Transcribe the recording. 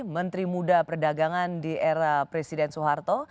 menteri muda perdagangan di era presiden soeharto